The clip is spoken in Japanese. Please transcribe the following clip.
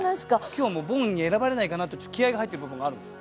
今日はもうボンに選ばれないかなとちょっと気合いが入ってる部分があるんですよ。